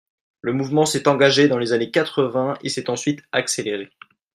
Le mouvement s’est engagé dans les années quatre-vingts et s’est ensuite accéléré.